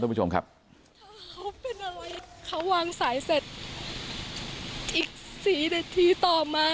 คุณผู้ชมครับถ้าเขาเป็นอะไรเขาวางสายเสร็จอีกสี่นาทีต่อมา